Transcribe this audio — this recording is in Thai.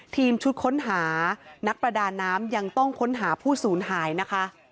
ทีมชุดค้นหานักประดาน้ำยังต้องค้นหาผู้สูญหายนะคะ